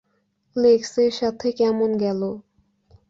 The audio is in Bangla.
লেক্সের সাথে কেমন গেল?